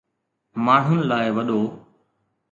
ماڻھن لاء وڏو